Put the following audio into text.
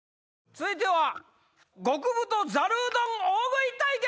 続いては極太ざるうどん大食い対決！